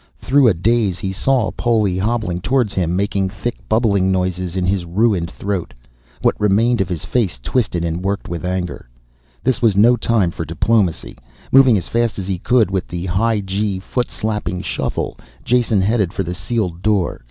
Through a daze he saw Poli hobbling towards him, making thick bubbling noises in his ruined throat; what remained of his face twisted and working with anger. This was no time for diplomacy. Moving as fast as he could, with the high G, foot slapping shuffle, Jason headed for the sealed door.